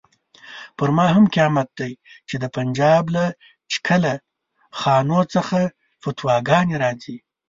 پر ما هم قیامت دی چې د پنجاب له چکله خانو څخه فتواګانې راځي.